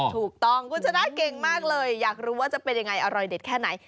ถูกต้องคุณชนะเก่งมากเลยอยากรู้ว่าจะเป็นยังไงอร่อยเด็ดแค่ไหน